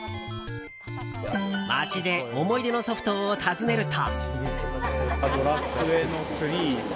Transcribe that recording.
街で思い出のソフトを尋ねると。